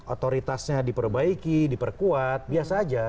otoritasnya diperbaiki diperkuat biasa aja